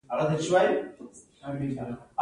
کینیايي متل وایي بخت او طالع اخیستل کېدای نه شي.